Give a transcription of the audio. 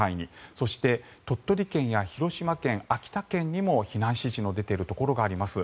そして鳥取県や広島県、秋田県に避難指示の出ているところがあります。